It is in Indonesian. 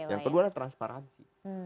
yang kedua adalah transparansi